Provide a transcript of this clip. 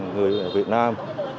người việt nam